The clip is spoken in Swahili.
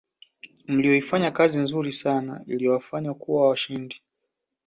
mliyoifanya kazi nzuri sana iliyowafanya kuwa washindi